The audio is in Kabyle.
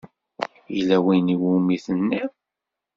Yella win iwumi t-tenniḍ?